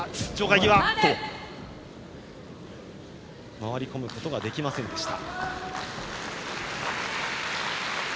回り込むことができませんでした。